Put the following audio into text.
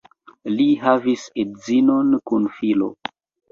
Li havis edzinon kun filo.